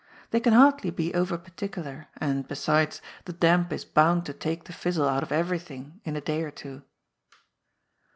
They can hardly be over particular, and, be sides, the damp is bound to take the fizzle out of everything in a day or two.